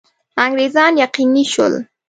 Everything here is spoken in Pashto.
انګرېزان یقیني شول.